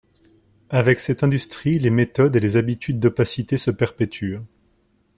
Avec cette industrie, les méthodes et les habitudes d’opacité se perpétuent.